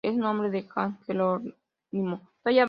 Es el nombre de San Jerónimo.